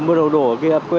em vừa mua đồ ở kia quên